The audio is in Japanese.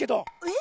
え？